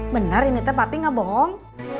benar ini teh papi nggak bohong